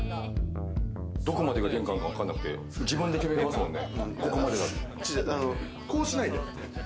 どこまでが玄関かわかんなくて、自分で決めれますもんね。